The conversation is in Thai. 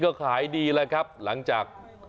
เขาขายดีเลยครับหลังจาก